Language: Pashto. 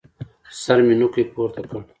سر مې نوکى پورته کړ.